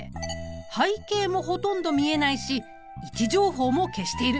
背景もほとんど見えないし位置情報も消している。